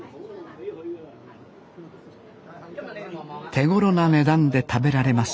手ごろな値段で食べられます